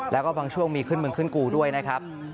แล้วก็บางช่วงมีขึ้นมึงขึ้นกูด้วยนะครับ